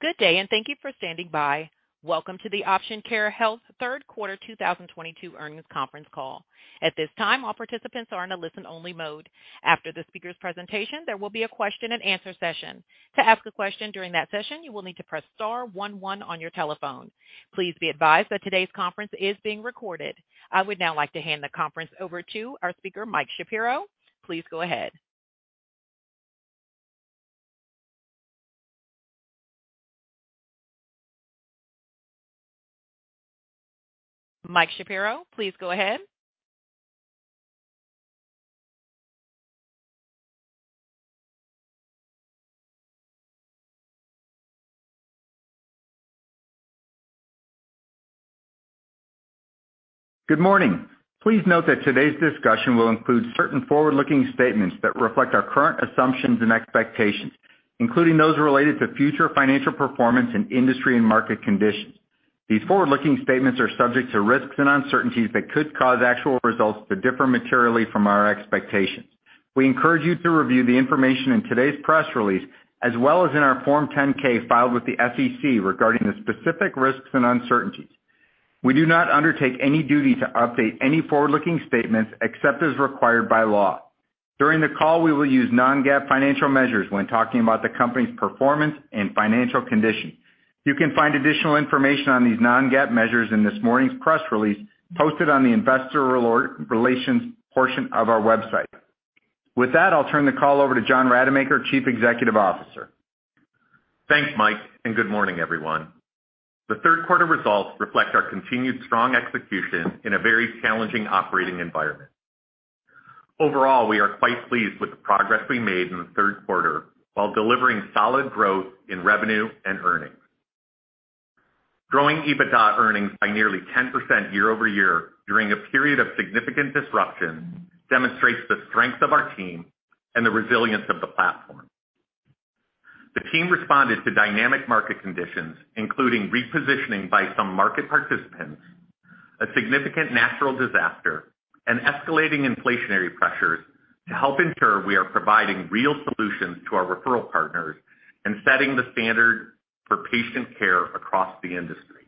Good day, and thank you for standing by. Welcome to the Option Care Health third quarter 2022 earnings conference call. At this time, all participants are in a listen-only mode. After the speaker's presentation, there will be a question and answer session. To ask a question during that session, you will need to press star one one on your telephone. Please be advised that today's conference is being recorded. I would now like to hand the conference over to our speaker, Mike Shapiro. Please go ahead. Mike Shapiro, please go ahead. Good morning. Please note that today's discussion will include certain forward-looking statements that reflect our current assumptions and expectations, including those related to future financial performance and industry and market conditions. These forward-looking statements are subject to risks and uncertainties that could cause actual results to differ materially from our expectations. We encourage you to review the information in today's press release as well as in our Form 10-K filed with the SEC regarding the specific risks and uncertainties. We do not undertake any duty to update any forward-looking statements except as required by law. During the call, we will use non-GAAP financial measures when talking about the company's performance and financial condition. You can find additional information on these non-GAAP measures in this morning's press release posted on the investor relations portion of our website. With that, I'll turn the call over to John Rademacher, Chief Executive Officer. Thanks, Mike, and good morning, everyone. The third quarter results reflect our continued strong execution in a very challenging operating environment. Overall, we are quite pleased with the progress we made in the third quarter while delivering solid growth in revenue and earnings. Growing EBITDA earnings by nearly 10% year-over-year during a period of significant disruption demonstrates the strength of our team and the resilience of the platform. The team responded to dynamic market conditions, including repositioning by some market participants, a significant natural disaster, and escalating inflationary pressures to help ensure we are providing real solutions to our referral partners and setting the standard for patient care across the industry.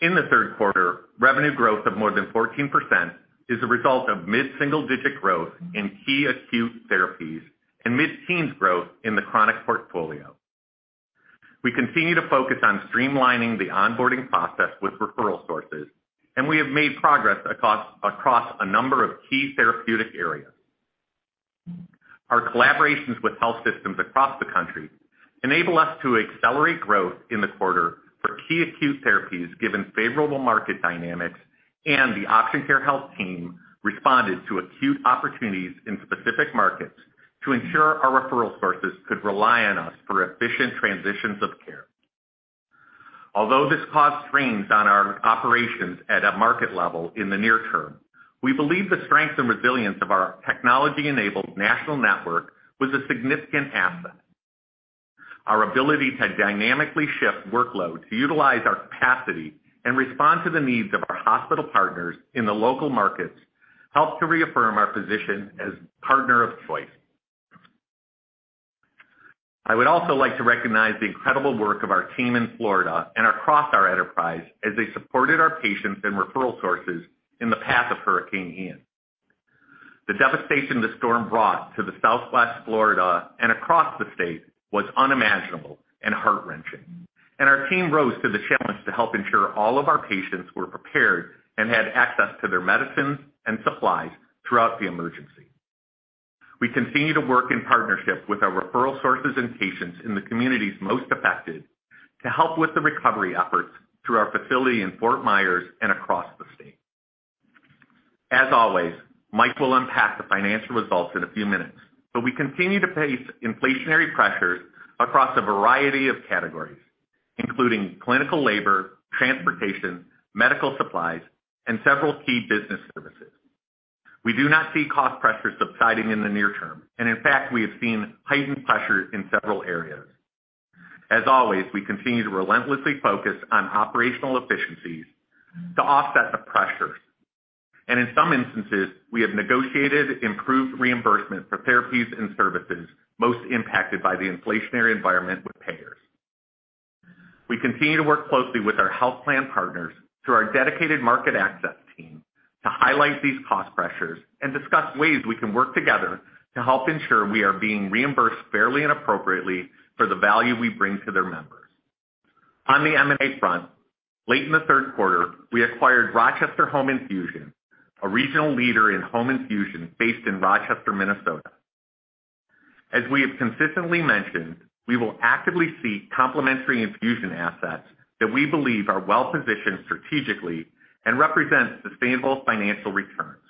In the third quarter, revenue growth of more than 14% is a result of mid-single-digit growth in key acute therapies and mid-teens growth in the chronic portfolio. We continue to focus on streamlining the onboarding process with referral sources, and we have made progress across a number of key therapeutic areas. Our collaborations with health systems across the country enable us to accelerate growth in the quarter for key acute therapies given favorable market dynamics, and the Option Care Health team responded to acute opportunities in specific markets to ensure our referral sources could rely on us for efficient transitions of care. Although this caused strains on our operations at a market level in the near term, we believe the strength and resilience of our technology-enabled national network was a significant asset. Our ability to dynamically shift workload to utilize our capacity and respond to the needs of our hospital partners in the local markets helped to reaffirm our position as partner of choice. I would also like to recognize the incredible work of our team in Florida and across our enterprise as they supported our patients and referral sources in the path of Hurricane Ian. The devastation the storm brought to the southwest Florida and across the state was unimaginable and heart-wrenching. Our team rose to the challenge to help ensure all of our patients were prepared and had access to their medicines and supplies throughout the emergency. We continue to work in partnership with our referral sources and patients in the communities most affected to help with the recovery efforts through our facility in Fort Myers and across the state. As always, Mike will unpack the financial results in a few minutes, but we continue to face inflationary pressures across a variety of categories, including clinical labor, transportation, medical supplies, and several key business services. We do not see cost pressures subsiding in the near term, and in fact, we have seen heightened pressures in several areas. As always, we continue to relentlessly focus on operational efficiencies to offset the pressures. In some instances, we have negotiated improved reimbursement for therapies and services most impacted by the inflationary environment with payers. We continue to work closely with our health plan partners through our dedicated market access team to highlight these cost pressures and discuss ways we can work together to help ensure we are being reimbursed fairly and appropriately for the value we bring to their members. On the M&A front, late in the third quarter, we acquired Rochester Home Infusion, a regional leader in home infusion based in Rochester, Minnesota. As we have consistently mentioned, we will actively seek complementary infusion assets that we believe are well-positioned strategically and represent sustainable financial returns.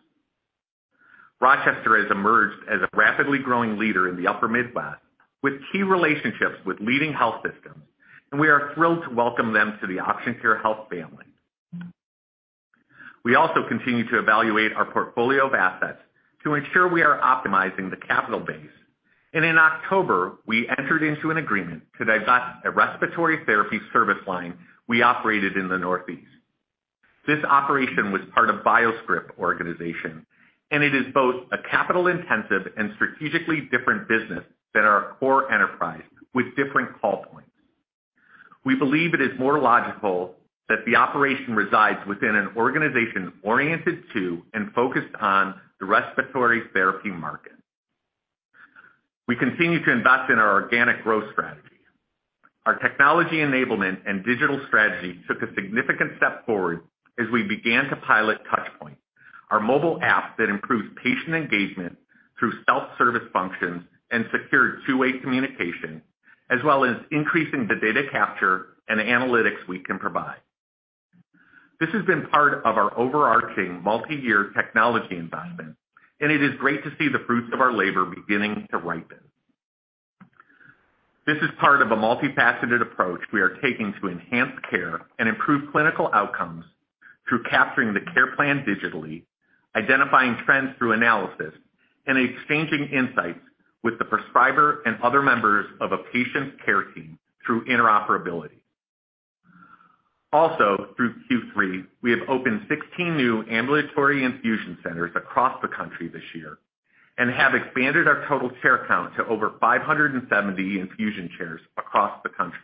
Rochester has emerged as a rapidly growing leader in the Upper Midwest with key relationships with leading health systems, and we are thrilled to welcome them to the Option Care Health family. We also continue to evaluate our portfolio of assets to ensure we are optimizing the capital base. In October, we entered into an agreement to divest a respiratory therapy service line we operated in the Northeast. This operation was part of BioScrip organization, and it is both a capital-intensive and strategically different business than our core enterprise with different call points. We believe it is more logical that the operation resides within an organization oriented to and focused on the respiratory therapy market. We continue to invest in our organic growth strategy. Our technology enablement and digital strategy took a significant step forward as we began to pilot TouchPoint, our mobile app that improves patient engagement through self-service functions and secure two-way communication, as well as increasing the data capture and analytics we can provide. This has been part of our overarching multi-year technology investment, and it is great to see the fruits of our labor beginning to ripen. This is part of a multifaceted approach we are taking to enhance care and improve clinical outcomes through capturing the care plan digitally, identifying trends through analysis, and exchanging insights with the prescriber and other members of a patient care team through interoperability. Also, through Q3, we have opened 16 new ambulatory infusion centers across the country this year and have expanded our total chair count to over 570 infusion chairs across the country.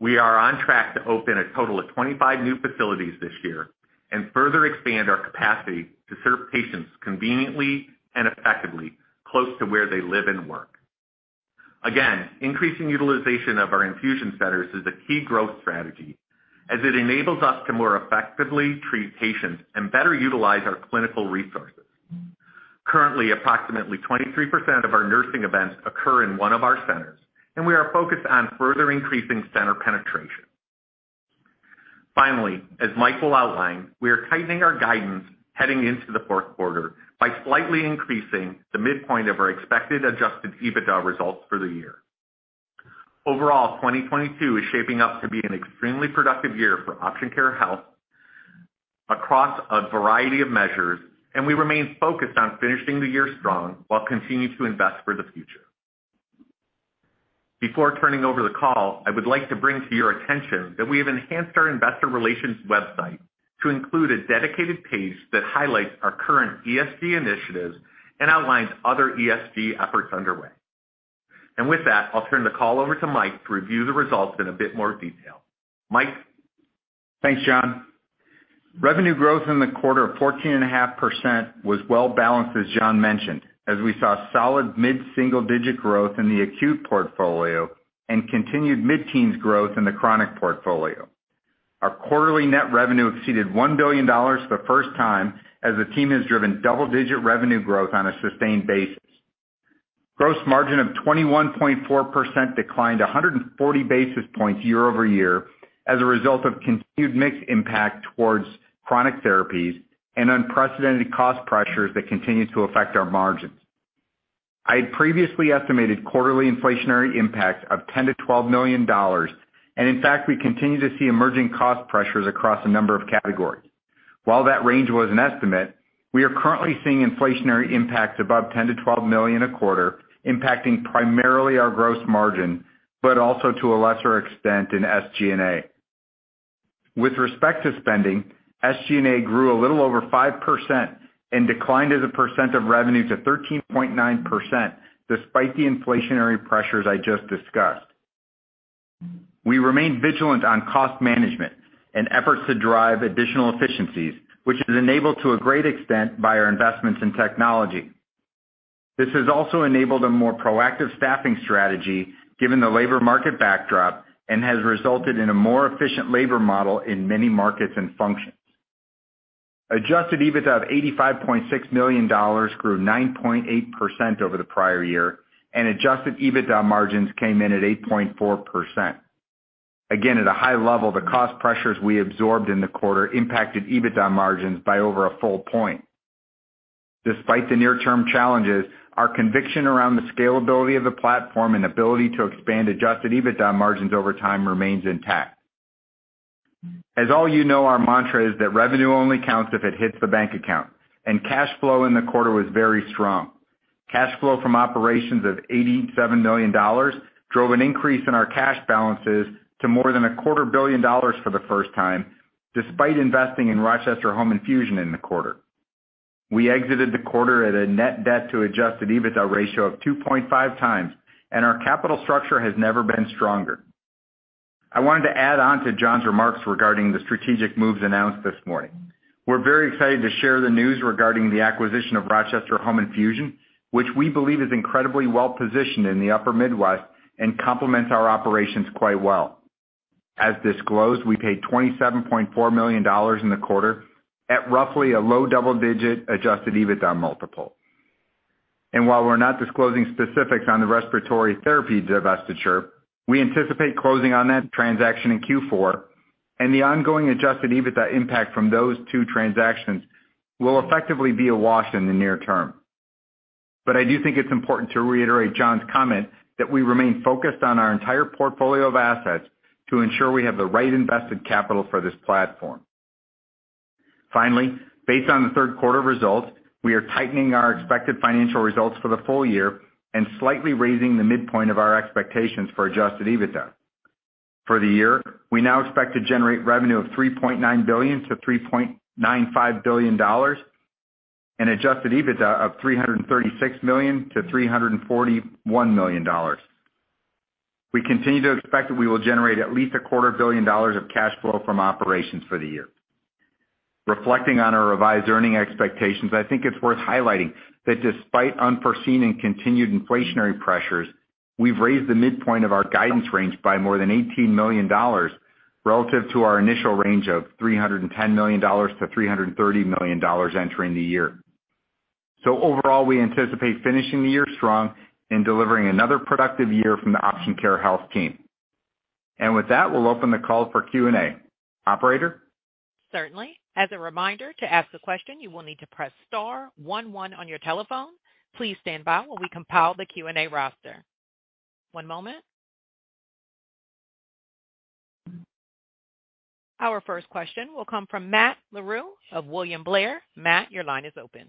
We are on track to open a total of 25 new facilities this year and further expand our capacity to serve patients conveniently and effectively close to where they live and work. Again, increasing utilization of our infusion centers is a key growth strategy as it enables us to more effectively treat patients and better utilize our clinical resources. Currently, approximately 23% of our nursing events occur in one of our centers, and we are focused on further increasing center penetration. Finally, as Mike will outline, we are tightening our guidance heading into the fourth quarter by slightly increasing the midpoint of our expected adjusted EBITDA results for the year. Overall, 2022 is shaping up to be an extremely productive year for Option Care Health across a variety of measures, and we remain focused on finishing the year strong while continuing to invest for the future. Before turning over the call, I would like to bring to your attention that we have enhanced our investor relations website to include a dedicated page that highlights our current ESG initiatives and outlines other ESG efforts underway. With that, I'll turn the call over to Mike to review the results in a bit more detail. Mike? Thanks, John. Revenue growth in the quarter of 14.5% was well balanced, as John mentioned, as we saw solid mid-single-digit growth in the acute portfolio and continued mid-teens growth in the chronic portfolio. Our quarterly net revenue exceeded $1 billion for the first time as the team has driven double-digit revenue growth on a sustained basis. Gross margin of 21.4% declined 140 basis points year-over-year as a result of continued mix impact towards chronic therapies and unprecedented cost pressures that continue to affect our margins. I had previously estimated quarterly inflationary impacts of $10 million-$12 million, and in fact, we continue to see emerging cost pressures across a number of categories. While that range was an estimate, we are currently seeing inflationary impacts above $10 million-$12 million a quarter, impacting primarily our gross margin, but also to a lesser extent in SG&A. With respect to spending, SG&A grew a little over 5% and declined as a percent of revenue to 13.9% despite the inflationary pressures I just discussed. We remain vigilant on cost management and efforts to drive additional efficiencies, which is enabled to a great extent by our investments in technology. This has also enabled a more proactive staffing strategy given the labor market backdrop and has resulted in a more efficient labor model in many markets and functions. Adjusted EBITDA of $85.6 million grew 9.8% over the prior year, and adjusted EBITDA margins came in at 8.4%. Again, at a high level, the cost pressures we absorbed in the quarter impacted EBITDA margins by over a full point. Despite the near-term challenges, our conviction around the scalability of the platform and ability to expand adjusted EBITDA margins over time remains intact. As you all know, our mantra is that revenue only counts if it hits the bank account, and cash flow in the quarter was very strong. Cash flow from operations of $87 million drove an increase in our cash balances to more than a quarter billion dollars for the first time, despite investing in Rochester Home Infusion in the quarter. We exited the quarter at a net debt to adjusted EBITDA ratio of 2.5 times, and our capital structure has never been stronger. I wanted to add on to John's remarks regarding the strategic moves announced this morning. We're very excited to share the news regarding the acquisition of Rochester Home Infusion, which we believe is incredibly well positioned in the upper Midwest and complements our operations quite well. As disclosed, we paid $27.4 million in the quarter at roughly a low double-digit adjusted EBITDA multiple. While we're not disclosing specifics on the respiratory therapy divestiture, we anticipate closing on that transaction in Q4, and the ongoing adjusted EBITDA impact from those two transactions will effectively be a wash in the near term. I do think it's important to reiterate John's comment that we remain focused on our entire portfolio of assets to ensure we have the right invested capital for this platform. Finally, based on the third quarter results, we are tightening our expected financial results for the full year and slightly raising the midpoint of our expectations for adjusted EBITDA. For the year, we now expect to generate revenue of $3.9 billion-$3.95 billion and adjusted EBITDA of $336 million-$341 million. We continue to expect that we will generate at least a quarter billion dollars of cash flow from operations for the year. Reflecting on our revised earnings expectations, I think it's worth highlighting that despite unforeseen and continued inflationary pressures, we've raised the midpoint of our guidance range by more than $18 million relative to our initial range of $310 million-$330 million entering the year. Overall, we anticipate finishing the year strong and delivering another productive year from the Option Care Health team. With that, we'll open the call for Q&A. Operator? Certainly. As a reminder, to ask a question, you will need to press star one one on your telephone. Please stand by while we compile the Q&A roster. One moment. Our first question will come from Matt Larew of William Blair. Matt, your line is open.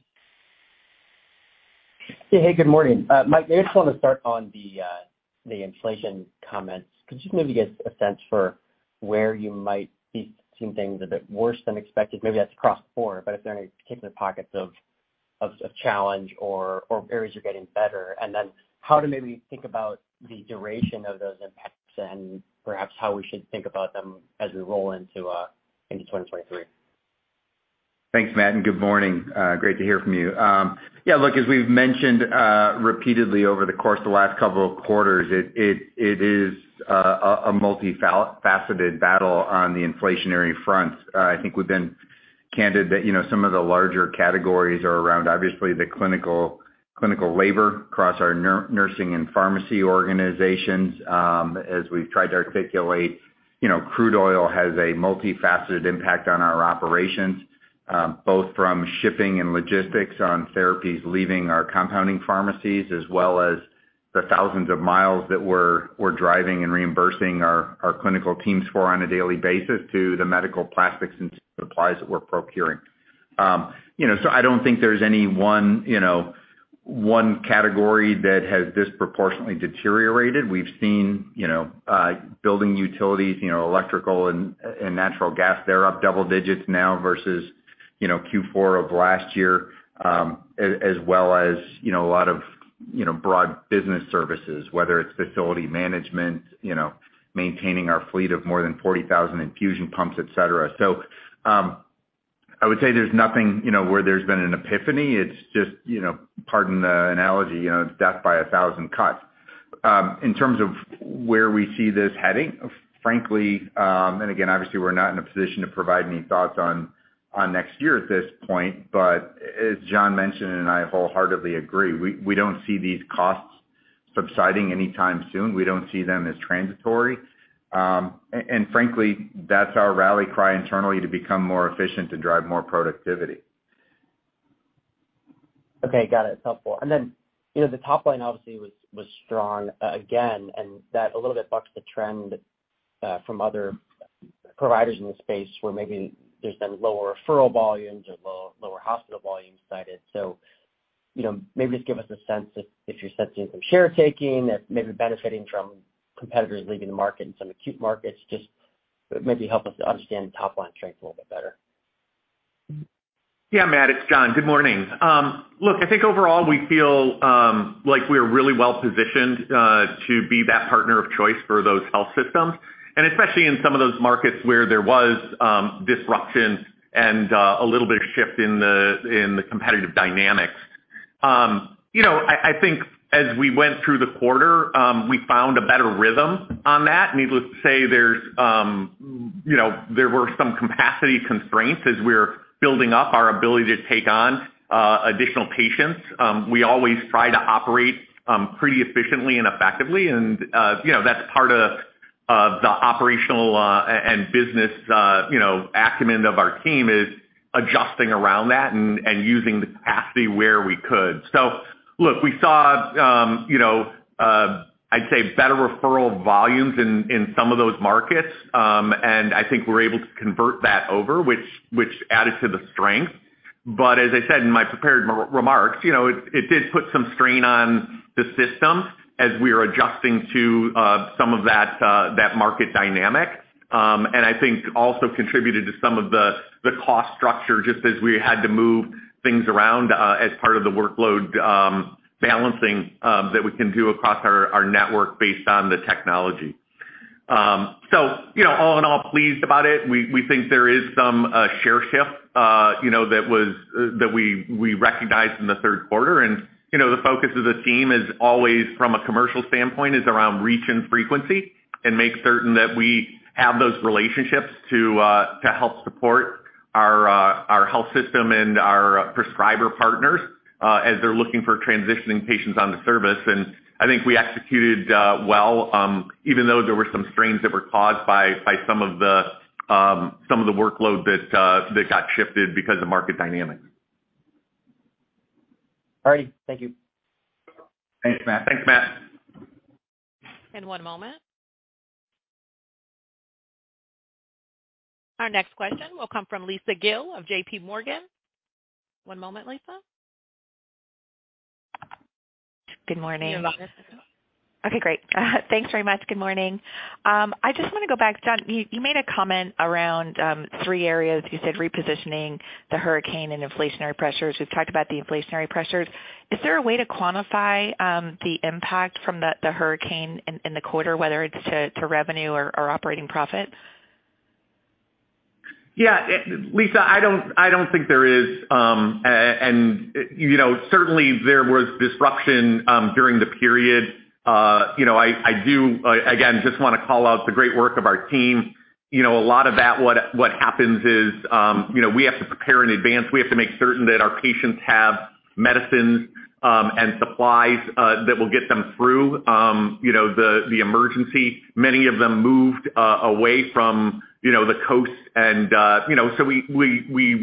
Hey, good morning. Mike, I just want to start on the inflation comments. Could you maybe get a sense for where you might be seeing things a bit worse than expected? Maybe that's across the board, but if there are any particular pockets of challenge or areas you're getting better, and then how to maybe think about the duration of those impacts and perhaps how we should think about them as we roll into 2023. Thanks, Matt, and good morning. Great to hear from you. As we've mentioned repeatedly over the course of the last couple of quarters, it is a multifaceted battle on the inflationary front. I think we've been candid that, you know, some of the larger categories are around obviously the clinical labor across our nursing and pharmacy organizations. As we've tried to articulate, you know, crude oil has a multifaceted impact on our operations, both from shipping and logistics on therapies leaving our compounding pharmacies, as well as the thousands of miles that we're driving and reimbursing our clinical teams for on a daily basis to the medical plastics and supplies that we're procuring. I don't think there's any one category that has disproportionately deteriorated. We've seen, you know, building utilities, you know, electrical and natural gas, they're up double digits now versus, you know, Q4 of last year, as well as, you know, a lot of, you know, broad business services, whether it's facility management, you know, maintaining our fleet of more than 40,000 infusion pumps, et cetera. I would say there's nothing, you know, where there's been an epiphany. It's just, you know, pardon the analogy, you know, it's death by a thousand cuts. In terms of where we see this heading, frankly, and again, obviously, we're not in a position to provide any thoughts on next year at this point. But as John mentioned, and I wholeheartedly agree, we don't see these costs subsiding anytime soon. We don't see them as transitory. Frankly, that's our rally cry internally to become more efficient, to drive more productivity. Okay. Got it. Helpful. Then, you know, the top line obviously was strong again, and that a little bit bucks the trend from other providers in the space where maybe there's been lower referral volumes or lower hospital volumes cited. You know, maybe just give us a sense if you're sensing some share taking, if maybe benefiting from competitors leaving the market in some acute markets, just maybe help us understand top line strength a little bit better. Yeah, Matt, it's John. Good morning. Look, I think overall we feel like we're really well-positioned to be that partner of choice for those health systems, and especially in some of those markets where there was disruption and a little bit of shift in the competitive dynamics. You know, I think as we went through the quarter, we found a better rhythm on that. Needless to say, there's you know there were some capacity constraints as we're building up our ability to take on additional patients. We always try to operate pretty efficiently and effectively. You know, that's part of the operational and business you know acumen of our team is adjusting around that and using the capacity where we could. Look, we saw, you know, I'd say better referral volumes in some of those markets. I think we're able to convert that over which added to the strength. As I said in my prepared remarks, you know, it did put some strain on the system as we are adjusting to some of that market dynamic. I think also contributed to some of the cost structure just as we had to move things around as part of the workload balancing that we can do across our network based on the technology. You know, all in all, pleased about it. We think there is some share shift, you know, that we recognized in the third quarter. You know, the focus of the team is always from a commercial standpoint, is around reach and frequency and make certain that we have those relationships to help support our health system and our prescriber partners as they're looking for transitioning patients on to service. I think we executed well, even though there were some strains that were caused by some of the workload that got shifted because of market dynamics. All righty. Thank you. Thanks, Matt. Thanks, Matt. One moment. Our next question will come from Lisa Gill of JPMorgan. One moment, Lisa. Good morning. You're on. Okay, great. Thanks very much. Good morning. I just wanna go back. John, you made a comment around three areas. You said repositioning, the hurricane, and inflationary pressures. We've talked about the inflationary pressures. Is there a way to quantify the impact from the hurricane in the quarter, whether it's to revenue or operating profit? Yeah. Lisa, I don't think there is, and you know, certainly there was disruption during the period. You know, I do again, just wanna call out the great work of our team. You know, a lot of that what happens is, you know, we have to prepare in advance. We have to make certain that our patients have medicines and supplies that will get them through, you know, the emergency. Many of them moved away from, you know, the coast and, you know, so we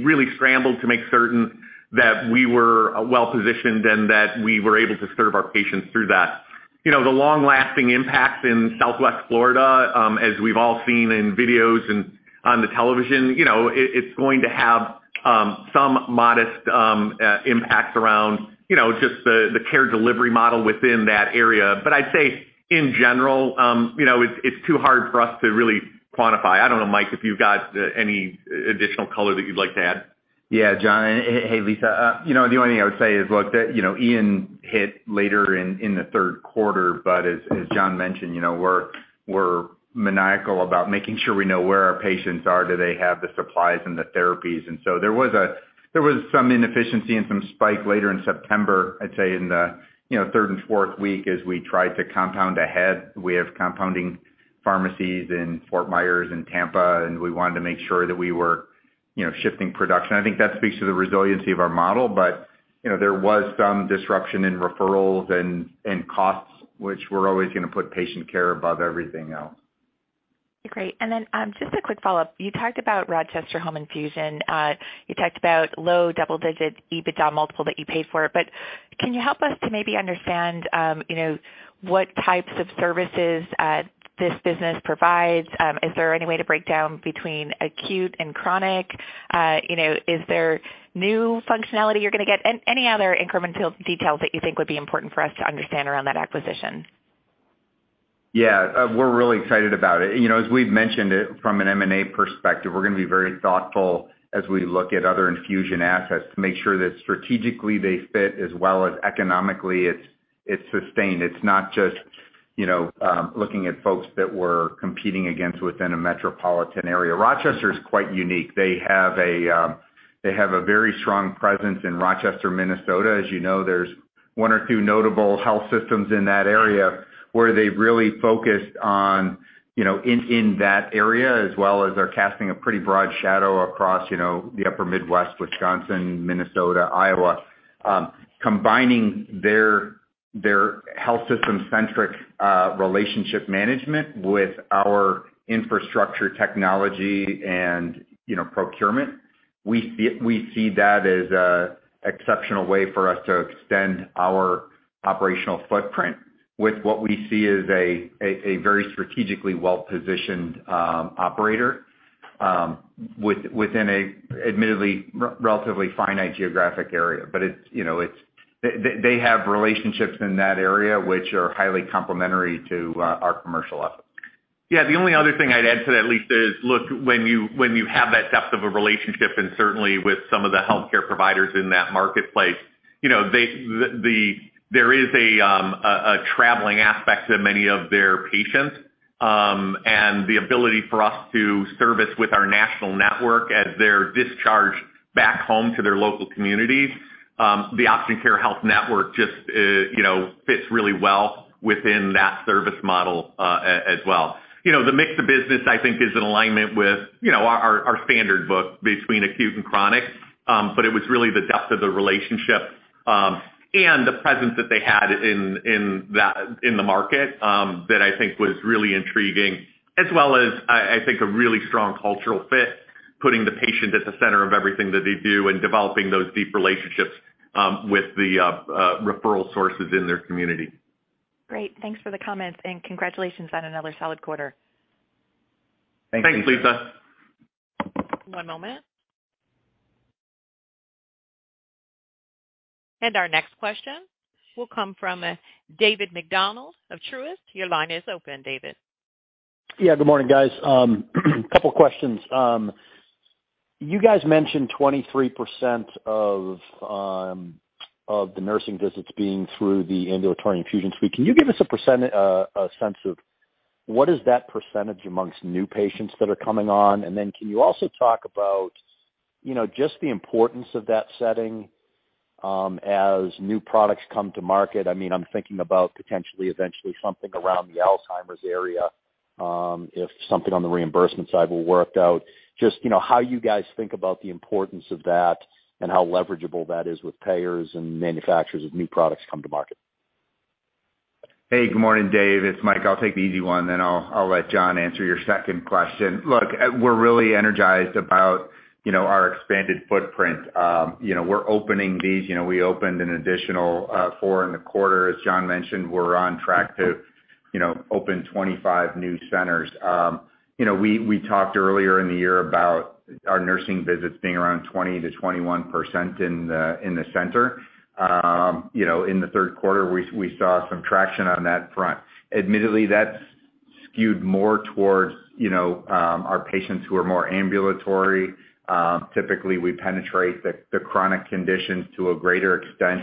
really scrambled to make certain that we were well-positioned and that we were able to serve our patients through that. You know, the long-lasting impact in Southwest Florida, as we've all seen in videos and on the television, you know, it's going to have some modest impact around, you know, just the care delivery model within that area. I'd say in general, you know, it's too hard for us to really quantify. I don't know, Mike, if you've got any additional color that you'd like to add. Yeah, John. And hey, Lisa. You know, the only thing I would say is, look, that you know, Hurricane Ian hit later in the third quarter, but as John mentioned, you know, we're maniacal about making sure we know where our patients are, do they have the supplies and the therapies. There was some inefficiency and some spike later in September, I'd say, in the third and fourth week as we tried to compound ahead. We have compounding pharmacies in Fort Myers and Tampa, and we wanted to make sure that we were you know, shifting production. I think that speaks to the resiliency of our model, but you know, there was some disruption in referrals and costs, which we're always gonna put patient care above everything else. Great. Just a quick follow-up. You talked about Rochester Home Infusion. You talked about low double-digit EBITDA multiple that you paid for it, but can you help us to maybe understand, you know, what types of services this business provides? Is there any way to break down between acute and chronic? You know, is there new functionality you're gonna get? Any other incremental details that you think would be important for us to understand around that acquisition? Yeah. We're really excited about it. You know, as we've mentioned it from an M&A perspective, we're gonna be very thoughtful as we look at other infusion assets to make sure that strategically they fit as well as economically it's sustained. It's not just, you know, looking at folks that we're competing against within a metropolitan area. Rochester is quite unique. They have a very strong presence in Rochester, Minnesota. As you know, there's one or two notable health systems in that area where they've really focused on, you know, in that area, as well as they're casting a pretty broad shadow across, you know, the Upper Midwest, Wisconsin, Minnesota, Iowa. Combining their health system centric relationship management with our infrastructure technology and, you know, procurement, we see that as an exceptional way for us to extend our operational footprint with what we see as a very strategically well-positioned operator within an admittedly relatively finite geographic area. They have relationships in that area which are highly complementary to our commercial efforts. Yeah. The only other thing I'd add to that, Lisa, is look, when you have that depth of a relationship, and certainly with some of the healthcare providers in that marketplace, you know, there is a traveling aspect to many of their patients, and the ability for us to service with our national network as they're discharged back home to their local communities, the Option Care Health network just, you know, fits really well within that service model, as well. You know, the mix of business I think is in alignment with, you know, our standard book between acute and chronic, but it was really the depth of the relationship, and the presence that they had in that market, that I think was really intriguing. As well as I think a really strong cultural fit, putting the patient at the center of everything that they do and developing those deep relationships with the referral sources in their community. Great. Thanks for the comments and congratulations on another solid quarter. Thanks, Lisa. Thanks, Lisa. One moment. Our next question will come from David MacDonald of Truist. Your line is open, David. Yeah, good morning, guys. Couple questions. You guys mentioned 23% of the nursing visits being through the ambulatory infusion suite. Can you give us a percent, a sense of what is that percentage amongst new patients that are coming on? And then can you also talk about, you know, just the importance of that setting, as new products come to market? I mean, I'm thinking about potentially eventually something around the Alzheimer's area, if something on the reimbursement side will work out. Just, you know, how you guys think about the importance of that and how leverageable that is with payers and manufacturers as new products come to market. Hey, good morning, David. It's Mike, I'll take the easy one, then I'll let John answer your second question. Look, we're really energized about, you know, our expanded footprint. You know, we're opening these. You know, we opened an additional four in the quarter. As John mentioned, we're on track to, you know, open 25 new centers. You know, we talked earlier in the year about our nursing visits being around 20%-21% in the center. You know, in the third quarter, we saw some traction on that front. Admittedly, that's skewed more towards, you know, our patients who are more ambulatory. Typically, we penetrate the chronic conditions to a greater extent.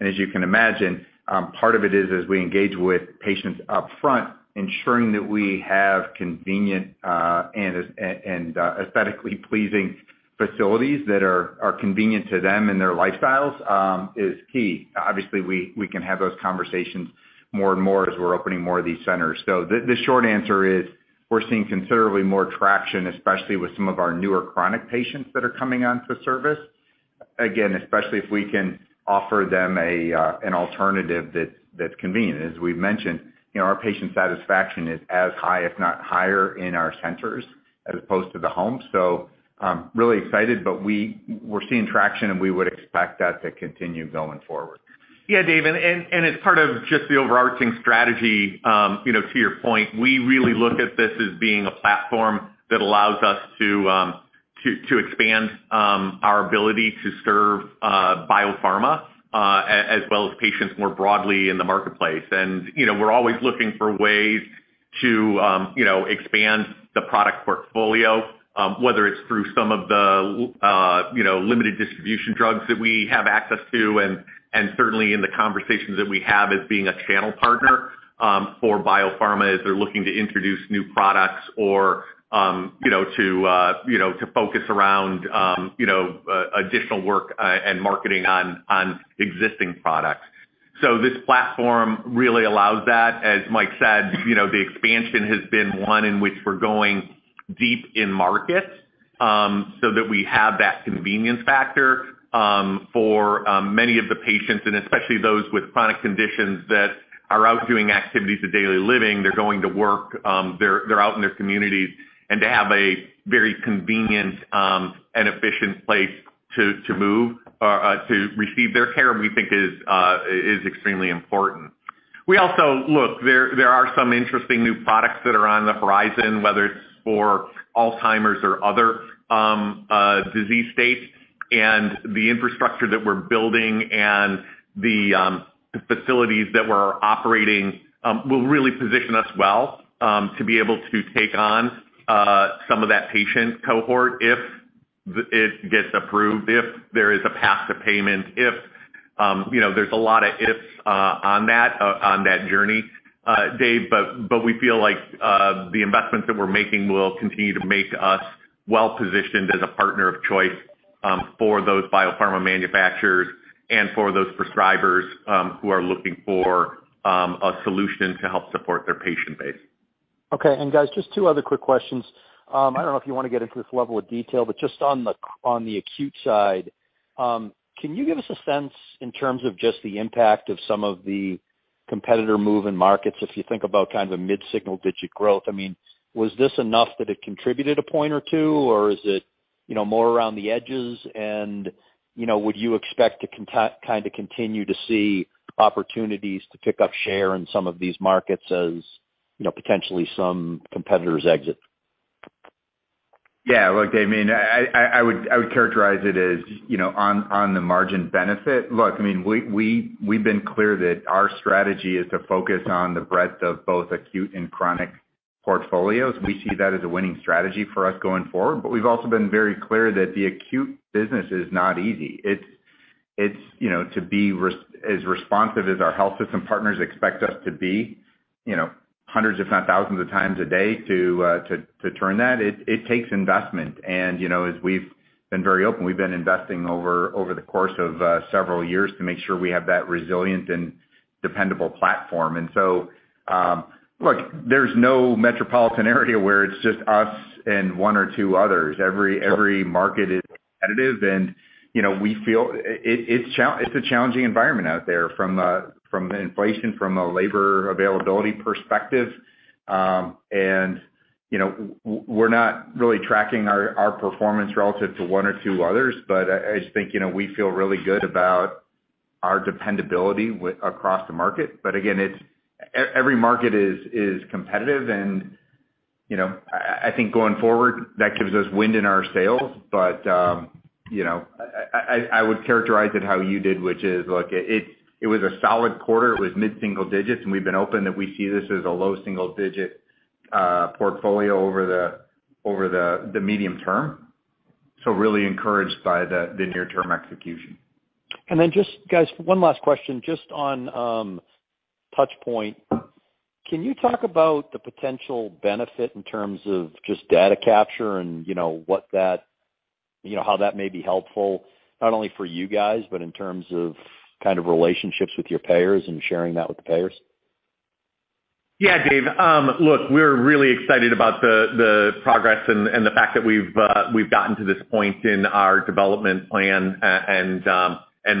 As you can imagine, part of it is as we engage with patients upfront, ensuring that we have convenient and aesthetically pleasing facilities that are convenient to them and their lifestyles is key. Obviously, we can have those conversations more and more as we're opening more of these centers. The short answer is we're seeing considerably more traction, especially with some of our newer chronic patients that are coming onto the service, again, especially if we can offer them an alternative that's convenient. As we've mentioned, you know, our patient satisfaction is as high, if not higher, in our centers as opposed to the home. Really excited, but we're seeing traction, and we would expect that to continue going forward. Yeah, David, it's part of just the overarching strategy. You know, to your point, we really look at this as being a platform that allows us to expand our ability to serve biopharma as well as patients more broadly in the marketplace. You know, we're always looking for ways to expand the product portfolio, whether it's through some of the limited distribution drugs that we have access to, and certainly in the conversations that we have as being a channel partner for biopharma as they're looking to introduce new products or to focus around additional work and marketing on existing products. This platform really allows that. As Mike said, you know, the expansion has been one in which we're going deep in markets, so that we have that convenience factor, for many of the patients, and especially those with chronic conditions that are out doing activities of daily living. They're going to work, they're out in their communities, and to have a very convenient and efficient place to move or to receive their care, we think is extremely important. We also look, there are some interesting new products that are on the horizon, whether it's for Alzheimer's or other disease states. The infrastructure that we're building and the facilities that we're operating will really position us well to be able to take on some of that patient cohort if it gets approved, if there is a path to payment, if. You know, there's a lot of ifs on that journey, David, but we feel like the investments that we're making will continue to make us well positioned as a partner of choice for those biopharma manufacturers and for those prescribers who are looking for a solution to help support their patient base. Okay. Guys, just two other quick questions. I don't know if you wanna get into this level of detail, but just on the, on the acute side, can you give us a sense in terms of just the impact of some of the competitor move in markets if you think about kind of a mid-single-digit growth? I mean, was this enough that it contributed a point or two, or is it, you know, more around the edges? You know, would you expect to kind of continue to see opportunities to pick up share in some of these markets as, you know, potentially some competitors exit? Yeah. Look, I mean, I would characterize it as, you know, on the margin benefit. Look, I mean, we've been clear that our strategy is to focus on the breadth of both acute and chronic portfolios. We see that as a winning strategy for us going forward. We've also been very clear that the acute business is not easy. It's you know, to be as responsive as our health system partners expect us to be, you know, hundreds if not thousands of times a day to turn that, it takes investment. You know, as we've been very open, we've been investing over the course of several years to make sure we have that resilient and dependable platform. Look, there's no metropolitan area where it's just us and one or two others. Every market is competitive and, you know, we feel it. It's a challenging environment out there from an inflation, from a labor availability perspective. You know, we're not really tracking our performance relative to one or two others, but I just think, you know, we feel really good about our dependability across the market. Again, it's every market is competitive and, you know, I think going forward, that gives us wind in our sails. You know, I would characterize it how you did, which is, look, it was a solid quarter. It was mid-single digits, and we've been vocal that we see this as a low single digit portfolio over the medium term. Really encouraged by the near term execution. Just, guys, one last question, just on TouchPoint. Can you talk about the potential benefit in terms of just data capture and, you know, what that, you know, how that may be helpful, not only for you guys, but in terms of kind of relationships with your payers and sharing that with the payers? Yeah, David. Look, we're really excited about the progress and the fact that we've gotten to this point in our development plan and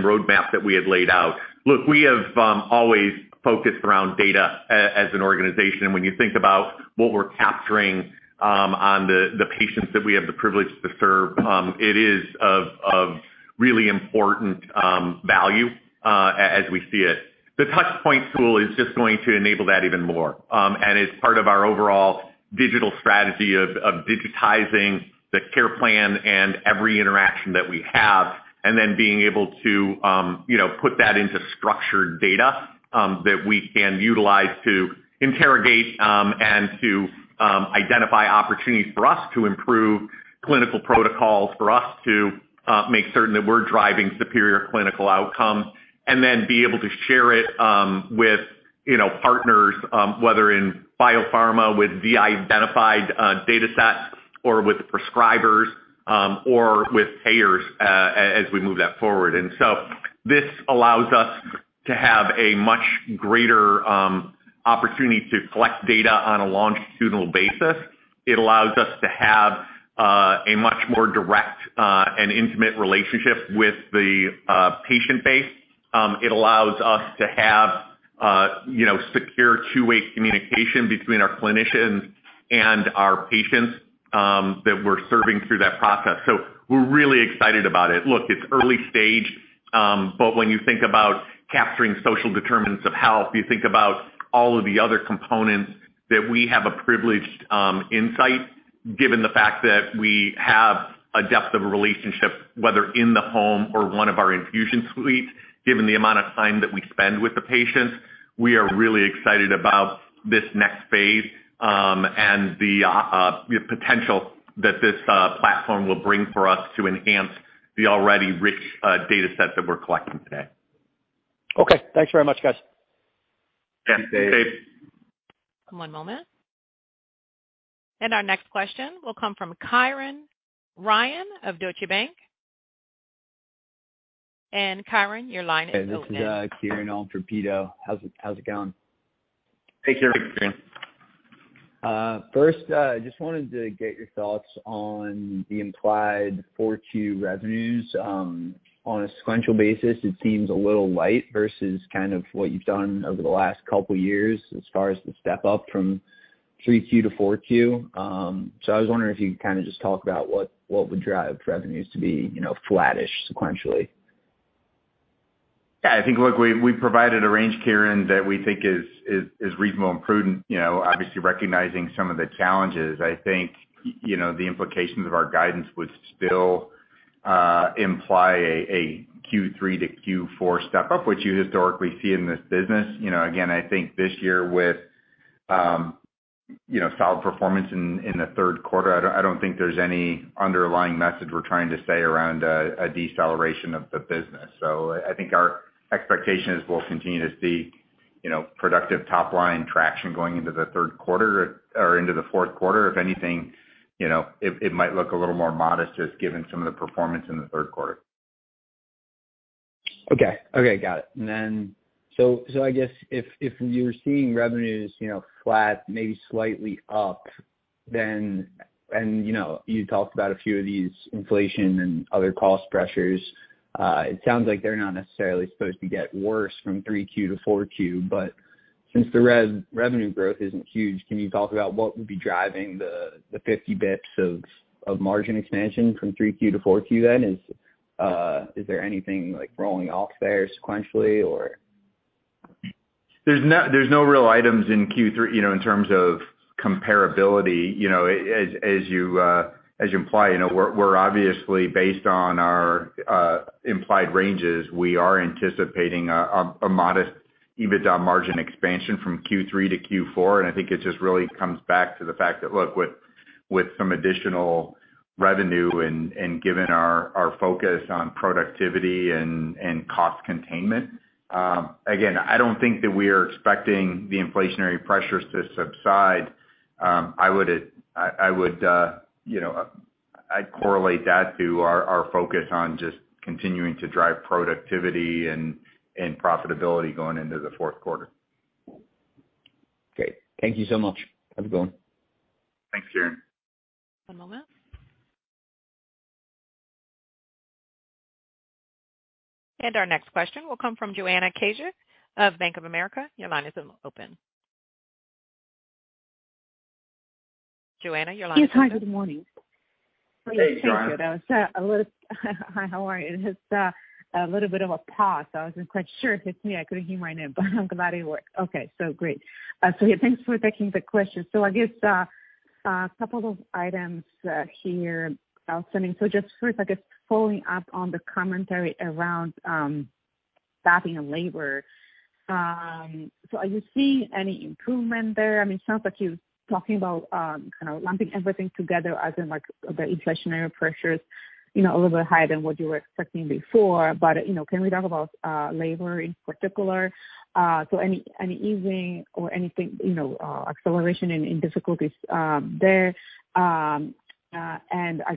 roadmap that we had laid out. Look, we have always focused around data as an organization. When you think about what we're capturing on the patients that we have the privilege to serve, it is of really important value as we see it. The TouchPoint tool is just going to enable that even more, and it's part of our overall digital strategy of digitizing the care plan and every interaction that we have and then being able to you know put that into structured data that we can utilize to interrogate and to identify opportunities for us to improve clinical protocols, for us to make certain that we're driving superior clinical outcomes. Then be able to share it with you know partners whether in biopharma with de-identified datasets or with prescribers or with payers as we move that forward. This allows us to have a much greater opportunity to collect data on a longitudinal basis. It allows us to have a much more direct and intimate relationship with the patient base. It allows us to have, you know, secure two-way communication between our clinicians and our patients, that we're serving through that process. We're really excited about it. Look, it's early stage, but when you think about capturing social determinants of health, you think about all of the other components that we have a privileged, insight, given the fact that we have a depth of relationship, whether in the home or one of our infusion suites, given the amount of time that we spend with the patients. We are really excited about this next phase, and the potential that this, platform will bring for us to enhance the already rich, data set that we're collecting today. Okay. Thanks very much, guys. Yeah. David. One moment. Our next question will come from Kieran Ryan of Deutsche Bank. Kieran, your line is open. Hey, this is Kieran on for Peter. How's it going? Hey, Kieran. First, I just wanted to get your thoughts on the implied 4Q revenues. On a sequential basis, it seems a little light versus kind of what you've done over the last couple years as far as the step up from 3Q to 4Q. So I was wondering if you could kinda just talk about what would drive revenues to be, you know, flattish sequentially. Yeah, I think, look, we provided a range, Kieran, that we think is reasonable and prudent, you know, obviously recognizing some of the challenges. I think, you know, the implications of our guidance would still imply a Q3 to Q4 step up, which you historically see in this business. You know, again, I think this year with, you know, solid performance in the third quarter, I don't think there's any underlying message we're trying to say around a deceleration of the business. I think our expectation is we'll continue to see, you know, productive top line traction going into the third quarter or into the fourth quarter. If anything, you know, it might look a little more modest just given some of the performance in the third quarter. Okay. Got it. I guess if you're seeing revenues, you know, flat, maybe slightly up then. You talked about a few of these inflation and other cost pressures. It sounds like they're not necessarily supposed to get worse from 3Q to 4Q. Since the revenue growth isn't huge, can you talk about what would be driving the 50 bps of margin expansion from 3Q to 4Q then? Is there anything like rolling off there sequentially or? There's no real items in Q3 in terms of comparability. As you imply, we're obviously based on our implied ranges. We are anticipating a modest EBITDA margin expansion from Q3 to Q4. I think it just really comes back to the fact that, look, with some additional revenue and given our focus on productivity and cost containment, again, I don't think that we are expecting the inflationary pressures to subside. I would correlate that to our focus on just continuing to drive productivity and profitability going into the fourth quarter. Great. Thank you so much. How's it going? Thanks, Kieran. One moment. Our next question will come from Joanna Gajuk of Bank of America. Your line is open. Joanna, your line is open. Yes. Hi, good morning. Hey, Joanna. Thank you. Hi, how are you? It's a little bit of a pause, so I wasn't quite sure if it's me. I couldn't hear my name, but I'm glad it worked. Okay. Great. Yeah, thanks for taking the question. I guess a couple of items here I was sending. Just first, I guess following up on the commentary around staffing and labor. Are you seeing any improvement there? I mean, it sounds like you're talking about kind of lumping everything together as in like the inflationary pressures, you know, a little bit higher than what you were expecting before. You know, can we talk about labor in particular? Any easing or anything, you know, acceleration in difficulties there? I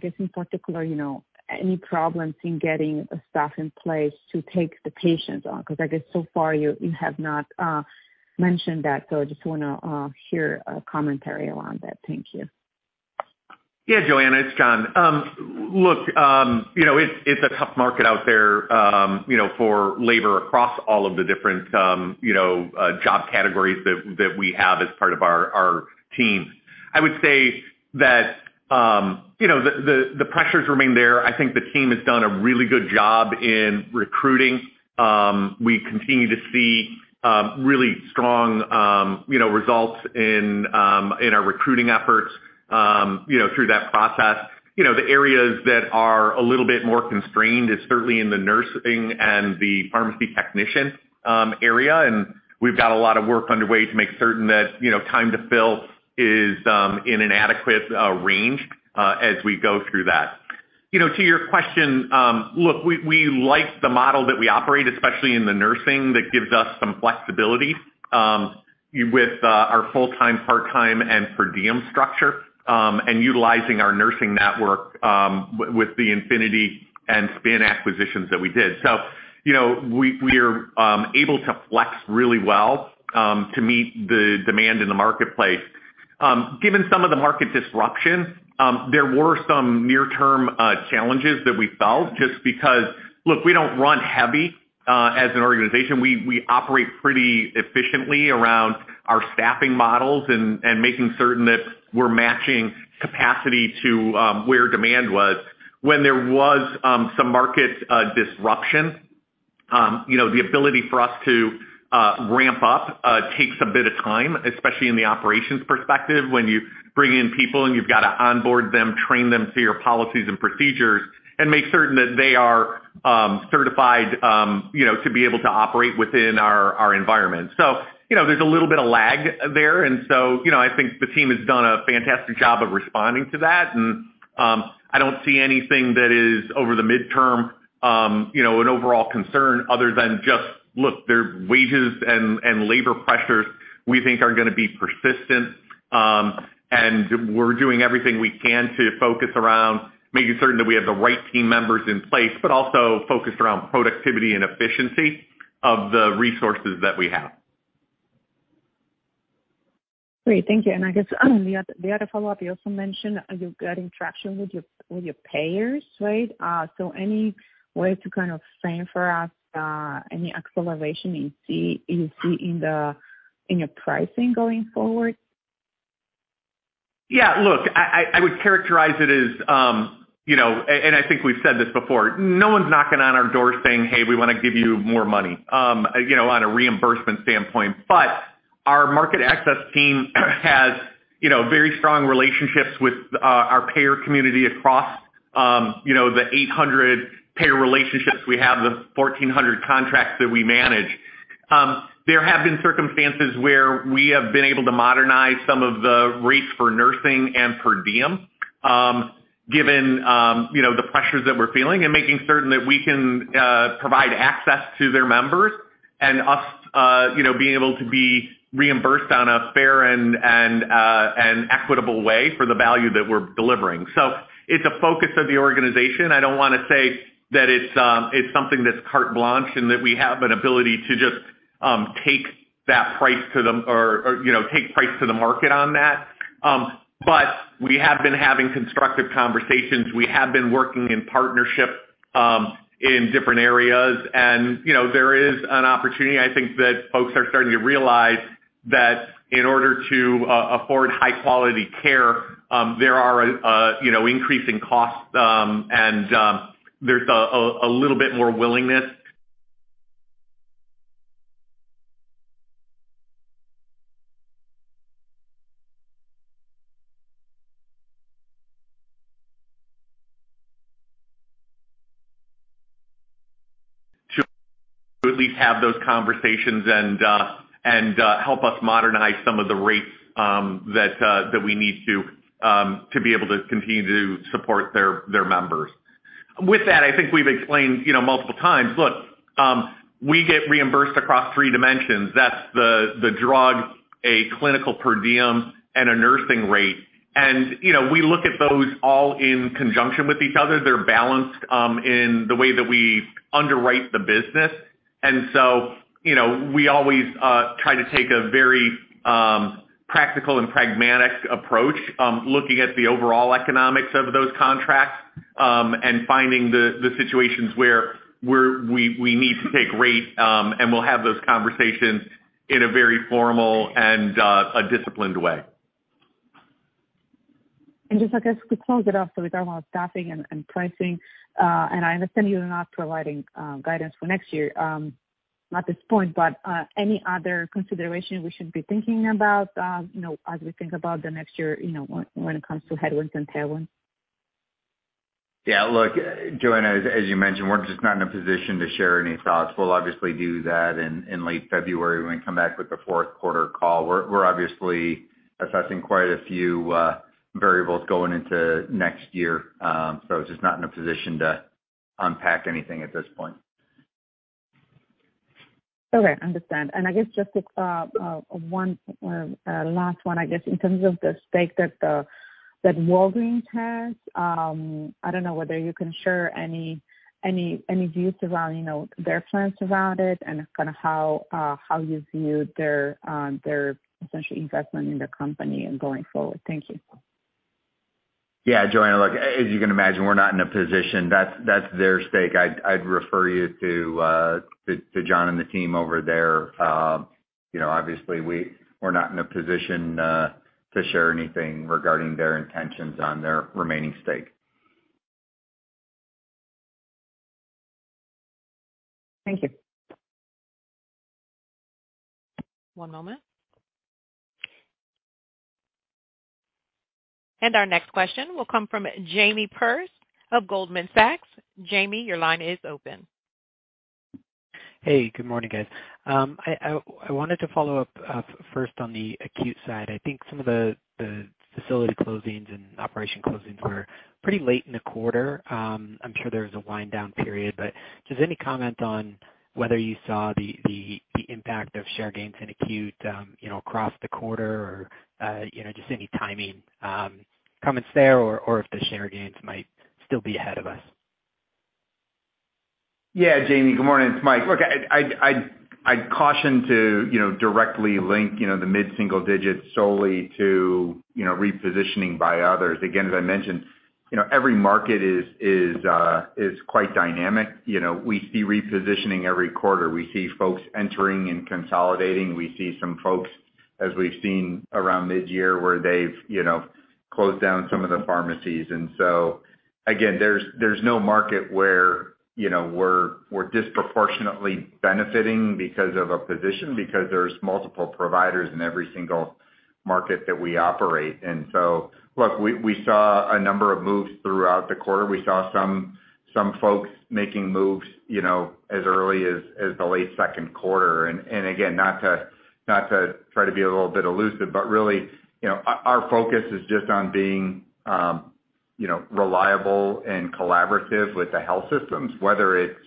guess in particular, you know, any problems in getting the staff in place to take the patients on? Because I guess so far you have not mentioned that, so I just wanna hear a commentary around that. Thank you. Yeah, Joanna, it's John. Look, you know, it's a tough market out there, you know, for labor across all of the different, you know, job categories that we have as part of our teams. I would say that, you know, the pressures remain there. I think the team has done a really good job in recruiting. We continue to see really strong, you know, results in our recruiting efforts, you know, through that process. You know, the areas that are a little bit more constrained is certainly in the nursing and the pharmacy technician area. We've got a lot of work underway to make certain that, you know, time to fill is in an adequate range as we go through that. You know, to your question, look, we like the model that we operate, especially in the nursing, that gives us some flexibility, with our full-time, part-time, and per diem structure, and utilizing our nursing network, with the Infinity and SPNN acquisitions that we did. You know, we are able to flex really well, to meet the demand in the marketplace. Given some of the market disruption, there were some near-term challenges that we felt just because. Look, we don't run heavy, as an organization. We operate pretty efficiently around our staffing models and making certain that we're matching capacity to where demand was. When there was some market disruption, you know, the ability for us to ramp up takes a bit of time, especially in the operations perspective, when you bring in people and you've got to onboard them, train them to your policies and procedures, and make certain that they are certified, you know, to be able to operate within our environment. You know, there's a little bit of lag there. I don't see anything that is over the midterm, you know, an overall concern other than just, look, their wages and labor pressures we think are gonna be persistent. We're doing everything we can to focus around making certain that we have the right team members in place, but also focused around productivity and efficiency of the resources that we have. Great. Thank you. I guess, the other follow-up, you also mentioned you're getting traction with your payers, right? Any way to kind of frame for us, any acceleration you see in your pricing going forward? Yeah. Look, I would characterize it as, you know, and I think we've said this before. No one's knocking on our door saying, "Hey, we wanna give you more money," you know, on a reimbursement standpoint. Our market access team has, you know, very strong relationships with, our payer community across, you know, the 800 payer relationships we have, the 1,400 contracts that we manage. There have been circumstances where we have been able to modernize some of the rates for nursing and per diem, given, you know, the pressures that we're feeling and making certain that we can, provide access to their members and us, you know, being able to be reimbursed on a fair and equitable way for the value that we're delivering. It's a focus of the organization. I don't wanna say that it's something that's carte blanche and that we have an ability to just take price to the market on that. We have been having constructive conversations. We have been working in partnership in different areas. You know, there is an opportunity, I think, that folks are starting to realize that in order to afford high-quality care, there are, you know, increasing costs, and there's a little bit more willingness to at least have those conversations and help us modernize some of the rates that we need to be able to continue to support their members. With that, I think we've explained, you know, multiple times, look, we get reimbursed across three dimensions. That's the drug, a clinical per diem, and a nursing rate. You know, we look at those all in conjunction with each other. They're balanced in the way that we underwrite the business. You know, we always try to take a very practical and pragmatic approach looking at the overall economics of those contracts, and finding the situations where we need to take rate, and we'll have those conversations in a very formal and a disciplined way. Just, I guess, to close it off with regard on staffing and pricing, and I understand you're not providing guidance for next year at this point, but any other consideration we should be thinking about, you know, as we think about the next year, you know, when it comes to headwinds and tailwinds? Yeah. Look, Joanna, as you mentioned, we're just not in a position to share any thoughts. We'll obviously do that in late February when we come back with the fourth quarter call. We're obviously assessing quite a few variables going into next year. It's just not in a position to unpack anything at this point. Okay, understand. I guess just one last one, I guess, in terms of the stake that Walgreens has. I don't know whether you can share any views around, you know, their plans around it and kind of how you view their essential investment in the company and going forward. Thank you. Yeah. Joanna, look, as you can imagine, we're not in a position. That's their stake. I'd refer you to John and the team over there. You know, obviously we're not in a position to share anything regarding their intentions on their remaining stake. Thank you. One moment. Our next question will come from Jamie Perse of Goldman Sachs. Jamie, your line is open. Hey, good morning, guys. I wanted to follow up first on the acute side. I think some of the facility closings and operation closings were pretty late in the quarter. I'm sure there was a wind-down period, but just any comment on whether you saw the impact of share gains in acute, you know, across the quarter or, you know, just any timing comments there or if the share gains might still be ahead of us. Yeah, Jamie, good morning. It's Mike. Look, I'd caution you to, you know, directly link, you know, the mid-single digits solely to, you know, repositioning by others. Again, as I mentioned, you know, every market is quite dynamic. You know, we see repositioning every quarter. We see folks entering and consolidating. We see some folks, as we've seen around mid-year, where they've, you know, closed down some of the pharmacies. Again, there's no market where, you know, we're disproportionately benefiting because of a position because there's multiple providers in every single market that we operate. Look, we saw a number of moves throughout the quarter. We saw some folks making moves, you know, as early as the late second quarter. And again, not to try to be a little bit elusive, but really, you know, our focus is just on being, you know, reliable and collaborative with the health systems, whether it's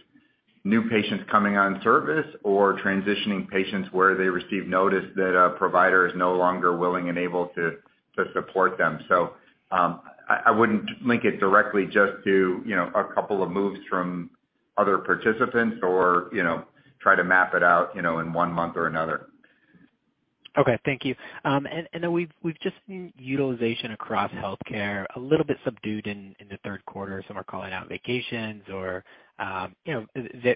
new patients coming on service or transitioning patients where they receive notice that a provider is no longer willing and able to support them. I wouldn't link it directly just to, you know, a couple of moves from other participants or, you know, try to map it out, you know, in one month or another. Okay, thank you. We've just seen utilization across healthcare a little bit subdued in the third quarter. Some are calling out vacations or, you know,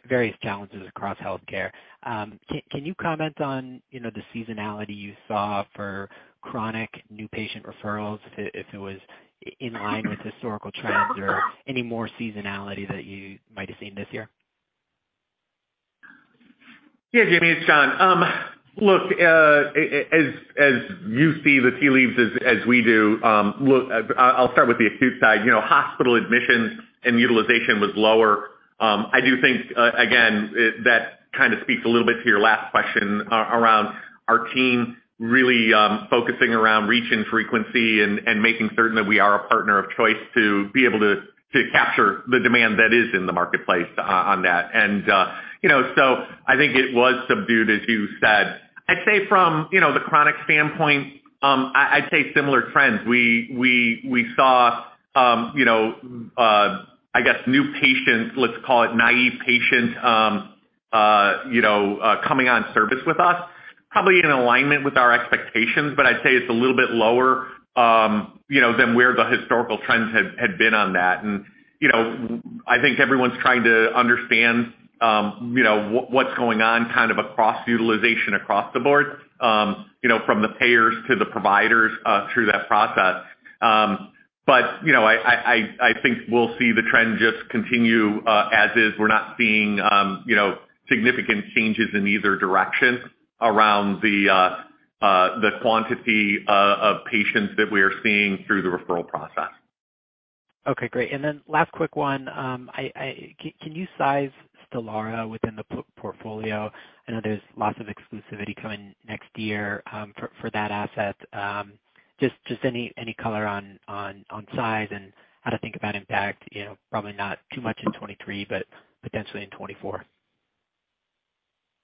various challenges across healthcare. Can you comment on, you know, the seasonality you saw for chronic new patient referrals, if it was in line with historical trends or any more seasonality that you might have seen this year? Yeah, Jamie, it's John. As you see the tea leaves as we do, I'll start with the acute side. You know, hospital admissions and utilization was lower. I do think again, that kind of speaks a little bit to your last question around our team really focusing around reach and frequency and making certain that we are a partner of choice to be able to capture the demand that is in the marketplace on that. You know, I think it was subdued, as you said. I'd say from, you know, the chronic standpoint, I'd say similar trends. We saw, you know, I guess new patients, let's call it naive patients, coming on service with us, probably in alignment with our expectations, but I'd say it's a little bit lower, you know, than where the historical trends had been on that. I think everyone's trying to understand, you know, what's going on kind of across utilization across the board, you know, from the payers to the providers through that process. You know, I think we'll see the trend just continue as is. We're not seeing, you know, significant changes in either direction around the quantity of patients that we are seeing through the referral process. Okay, great. Last quick one. Can you size Stelara within the portfolio? I know there's lots of exclusivity coming next year, for that asset. Just any color on size and how to think about impact, you know, probably not too much in 2023, but potentially in 2024.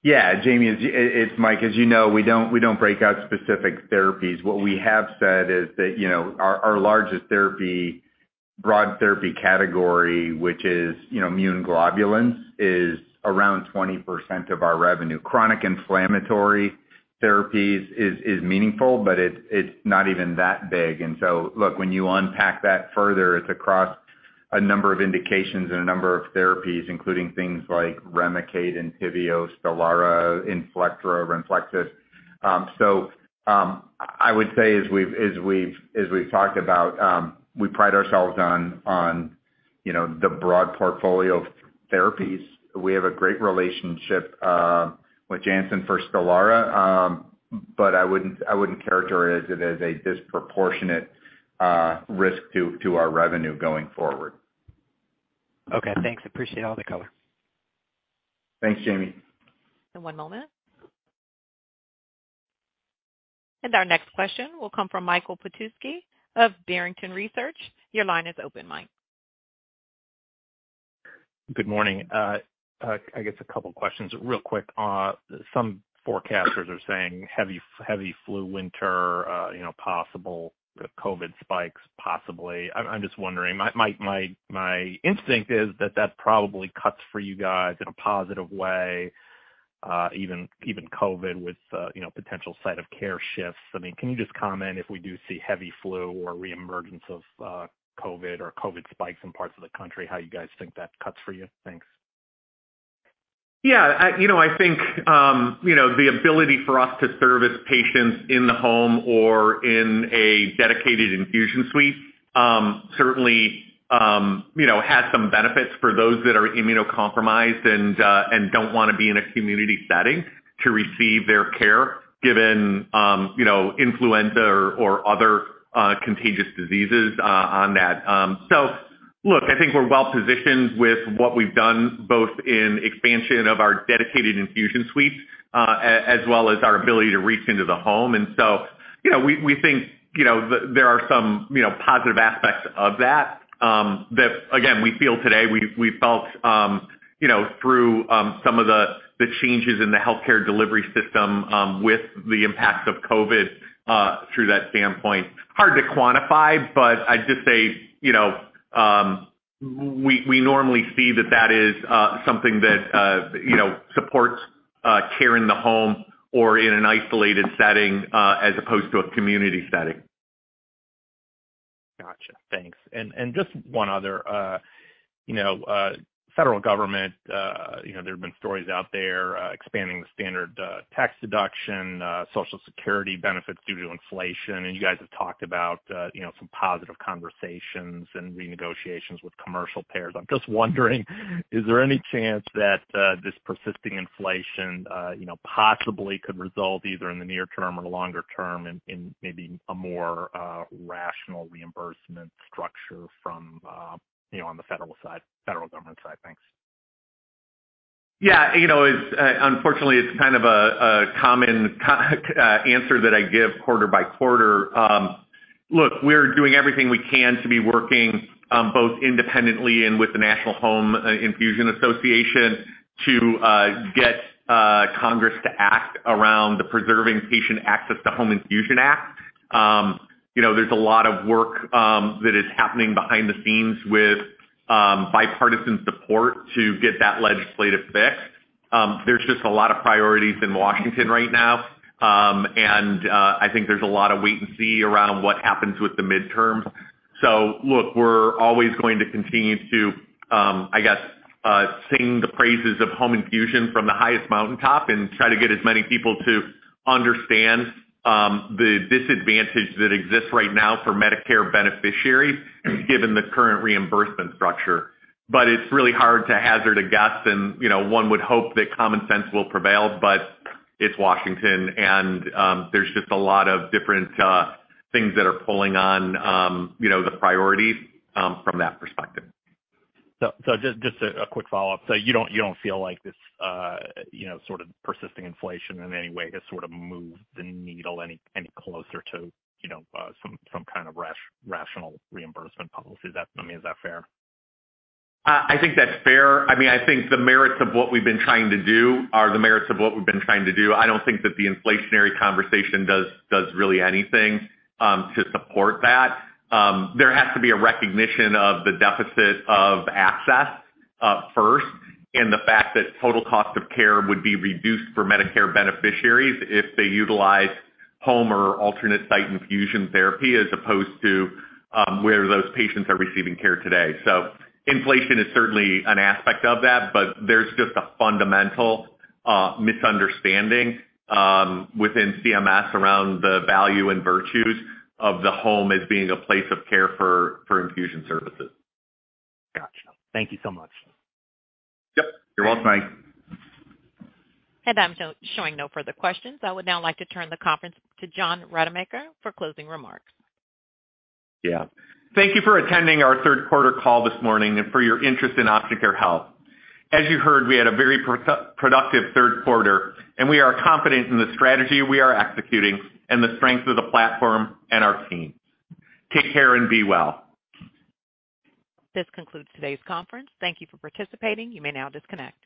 Yeah. Jamie, it's Mike. As you know, we don't break out specific therapies. What we have said is that, you know, our largest therapy, broad therapy category, which is, you know, immune globulins, is around 20% of our revenue. Chronic inflammatory therapies is meaningful, but it's not even that big. Look, when you unpack that further, it's across a number of indications and a number of therapies, including things like Remicade, Entyvio, Stelara, Inflectra, Renflexis. I would say as we've talked about, we pride ourselves on, you know, the broad portfolio of therapies. We have a great relationship with Janssen for Stelara. But I wouldn't characterize it as a disproportionate risk to our revenue going forward. Okay, thanks. Appreciate all the color. Thanks, Jamie. One moment. Our next question will come from Michael Petusky of Barrington Research. Your line is open, Mike. Good morning. I guess a couple questions real quick. Some forecasters are saying heavy flu winter, you know, possible COVID spikes, possibly. I'm just wondering. My instinct is that that probably cuts for you guys in a positive way, even COVID with, you know, potential site of care shifts. I mean, can you just comment if we do see heavy flu or reemergence of COVID or COVID spikes in parts of the country, how you guys think that cuts for you? Thanks. Yeah. You know, I think, you know, the ability for us to service patients in the home or in a dedicated infusion suite certainly, you know, has some benefits for those that are immunocompromised and don't wanna be in a community setting to receive their care given, you know, influenza or other contagious diseases on that. Look, I think we're well-positioned with what we've done, both in expansion of our dedicated infusion suites as well as our ability to reach into the home. You know, we think, you know, there are some, you know, positive aspects of that again, we feel today we felt, you know, through some of the changes in the healthcare delivery system with the impact of COVID through that standpoint. Hard to quantify, but I'd just say, you know, we normally see that that is something that, you know, supports care in the home or in an isolated setting, as opposed to a community setting. Gotcha. Thanks. Just one other, you know, federal government, you know, there have been stories out there, expanding the standard tax deduction, Social Security benefits due to inflation. You guys have talked about, you know, some positive conversations and renegotiations with commercial payers. I'm just wondering, is there any chance that this persisting inflation, you know, possibly could result either in the near term or the longer term in maybe a more rational reimbursement structure from, you know, on the federal side, federal government side? Thanks. Yeah. You know, it's unfortunately it's kind of a common answer that I give quarter by quarter. Look, we're doing everything we can to be working both independently and with the National Home Infusion Association to get Congress to act around the Preserving Patient Access to Home Infusion Act. You know, there's a lot of work that is happening behind the scenes with bipartisan support to get that legislative fix. There's just a lot of priorities in Washington right now, and I think there's a lot of wait and see around what happens with the midterms. Look, we're always going to continue to, I guess, sing the praises of home infusion from the highest mountaintop and try to get as many people to understand the disadvantage that exists right now for Medicare beneficiaries given the current reimbursement structure. It's really hard to hazard a guess and, you know, one would hope that common sense will prevail, but it's Washington and, there's just a lot of different things that are pulling on, you know, the priorities from that perspective. Just a quick follow-up. You don't feel like this, you know, sort of persisting inflation in any way has sort of moved the needle any closer to, you know, some kind of rational reimbursement policy? I mean, is that fair? I think that's fair. I mean, I think the merits of what we've been trying to do are the merits of what we've been trying to do. I don't think that the inflationary conversation does really anything to support that. There has to be a recognition of the deficit of access first, and the fact that total cost of care would be reduced for Medicare beneficiaries if they utilize home or alternate site infusion therapy as opposed to where those patients are receiving care today. Inflation is certainly an aspect of that, but there's just a fundamental misunderstanding within CMS around the value and virtues of the home as being a place of care for infusion services. Gotcha. Thank you so much. Yep. You're welcome, Mike. I'm showing no further questions. I would now like to turn the call to John Rademacher for closing remarks. Yeah. Thank you for attending our third quarter call this morning and for your interest in Option Care Health. As you heard, we had a very productive third quarter, and we are confident in the strategy we are executing and the strength of the platform and our team. Take care and be well. This concludes today's conference. Thank you for participating. You may now disconnect.